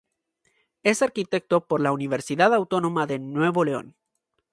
Es arquitecto por la Universidad Autónoma de Nuevo León.